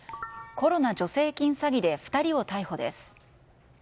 コロナ助成金で２人を逮捕です。